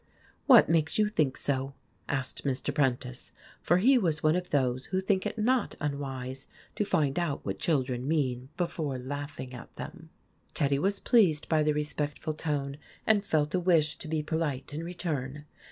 " What makes you think so ?" asked Mr. Prentice, for he was one of those who think it not unwise to find out what children mean be fore laughing at them. 154 IMAGINOTIONS Teddy was pleased by the respectful tone, and felt a wish to be polite in return.